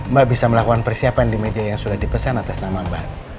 mbak bisa melakukan persiapan di media yang sudah dipesan atas nama mbak